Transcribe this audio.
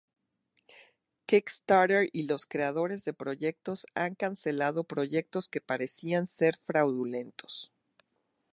Kickstarter y los creadores de proyectos han cancelado proyectos que parecían ser fraudulentos.